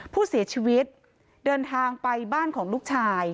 ผู้เสียชีวิตเดินทางไปบ้านของลูกชาย